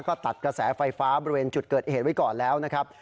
ก็ตัดกระแสไฟฟ้าบริเวณจุดเกิดเหตุไว้ก่อนแล้วนะครับ